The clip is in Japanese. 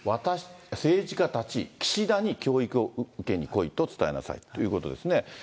政治家たち、岸田に、教育を受けに来いと伝えなさいということですね。